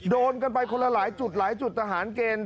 โดนกันไปคนละหลายจุดหลายจุดทหารเกณฑ์